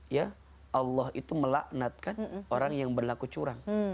ya allah itu melaknatkan orang yang berlaku curang